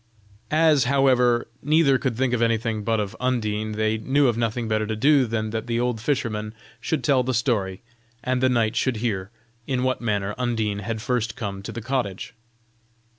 As, however, neither could think of anything but of Undine, they knew of nothing better to do than that the old fisherman should tell the story, and the knight should hear, in what manner Undine had first come to the cottage.